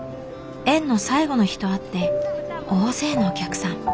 園の最後の日とあって大勢のお客さん。